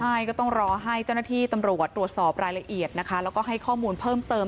ใช่ก็ต้องรอให้เจ้าหน้าที่ตำรวจตรวจสอบรายละเอียดนะคะแล้วก็ให้ข้อมูลเพิ่มเติม